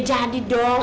ya jadi dong